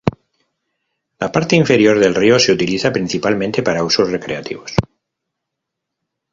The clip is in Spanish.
La parte inferior del río se utiliza principalmente para usos recreativos.